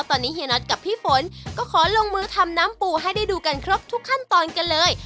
ตอนนี้เฮียน็อตกับพี่ฝนก็ขอลงมือทำน้ำปูให้ได้ดูกันครบทุกขั้นตอนกันเลย